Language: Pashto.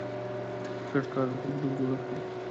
ګډ کار د تمدن جوړښت دی.